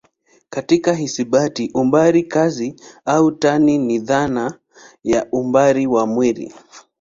Katika hisabati umbali kazi au tani ni dhana ya umbali wa kimwili.